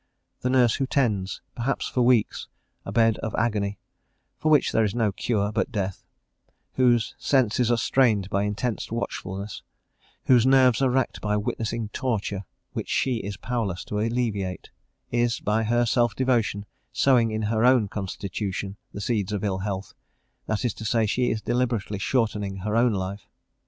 The nurse who tends, perhaps for weeks, a bed of agony, for which there is no cure but death whose senses are strained by intense watchfulness whose nerves are racked by witnessing torture which she is powerless to alleviate is, by her self devotion, sowing in her own constitution the seeds of ill health that is to say, she is deliberately shortening her own life.